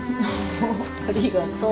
ありがとう。